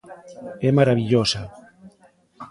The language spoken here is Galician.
É marabillosa.